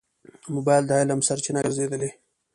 موبایل د علم سرچینه ګرځېدلې.